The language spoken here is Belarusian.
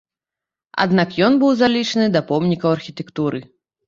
Аднак ён быў залічаны да помнікаў архітэктуры.